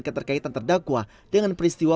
keterkaitan terdakwa dengan peristiwa